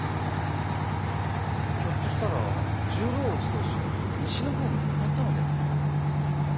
ひょっとしたら十郎叔父と一緒に西の方に向かったのでは。